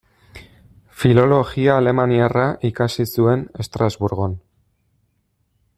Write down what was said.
Filologia alemaniarra ikasi zuen Estrasburgon.